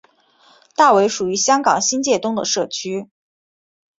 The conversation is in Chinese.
大围属于香港新界东的社区。